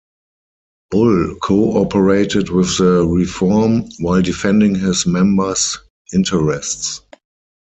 Bull co-operated with the reform, while defending his members' interests.